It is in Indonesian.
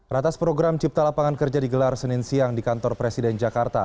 ratas program cipta lapangan kerja digelar senin siang di kantor presiden jakarta